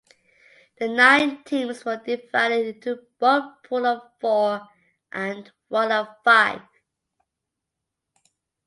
The nine teams were divided into one pool of four and one of five.